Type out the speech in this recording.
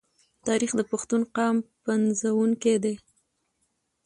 تاریخ د پښتون قام پنځونکی دی.